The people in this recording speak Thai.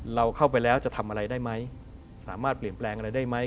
เราเข้าไปแล้วจะทำอะไรได้ไหมสามารถเปลี่ยนแปลงอะไรได้ไหม